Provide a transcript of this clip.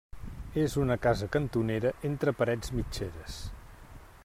És una casa cantonera entre parets mitgeres.